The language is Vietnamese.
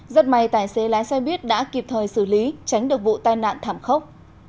rất may tài xế lái xe buýt đã kịp thời xử lý tránh được vụ tai nạn thảm khốc